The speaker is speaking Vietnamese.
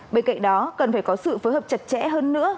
bên cạnh đó cần phải có sự phối hợp chặt chẽ hơn nữa